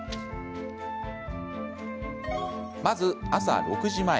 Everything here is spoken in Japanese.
まず、朝６時前。